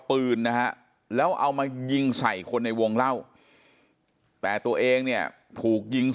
ปืนนะฮะแล้วเอามายิงใส่คนในวงเล่าแต่ตัวเองเนี่ยถูกยิง